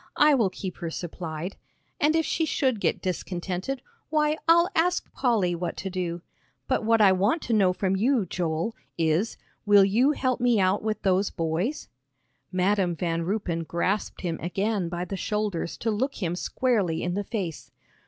I will keep her supplied. And if she should get discontented, why I'll ask Polly what to do. But what I want to know from you, Joel, is, will you help me out with those boys?" Madam Van Ruypen grasped him again by the shoulders to look him squarely in the face.